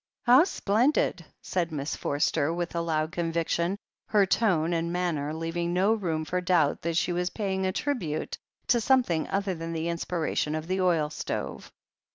"How splendid !" said Miss Forster, with loud con viction, her tone and manner leaving no room for doubt that she was paying a tribute to something other than the inspiration of the oil stove.